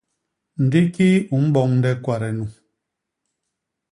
Ndi kii u mboñde kwade nu.